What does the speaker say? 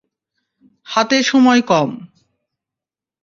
হাতে সময় কম।